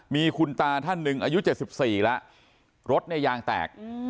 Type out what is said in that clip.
มีคุณตาท่านหนึ่งอายุ๗๔แล้วรถเนี่ยยางแตก